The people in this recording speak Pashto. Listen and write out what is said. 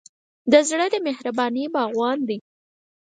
زړه د مهربانۍ باغوان دی.